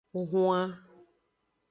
Huan.